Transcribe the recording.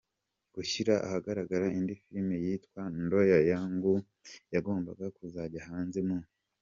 gushyira ahagaragara indi filimi yitwa Ndoa Yangu yagombaga kuzajya hanze mu.